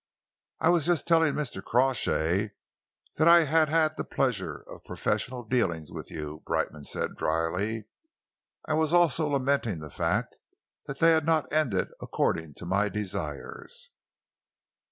"I was just telling Mr. Crawshay that I had had the pleasure of professional dealings with you," Brightman said drily. "I was also lamenting the fact that they had not ended according to my desires."